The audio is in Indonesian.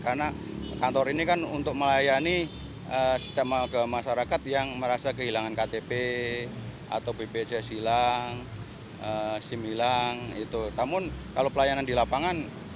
karena kantor ini kan untuk melayani sistem agama masyarakat yang merasa kehilangan ktp atau bpj silang